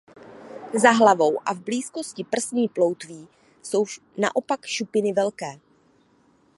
Za hlavou a v blízkosti prsní ploutví jsou naopak šupiny velké.